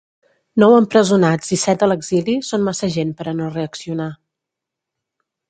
Nou empresonats i set a l’exili són massa gent per a no reaccionar.